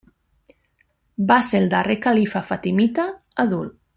Va ser el darrer califa fatimita adult.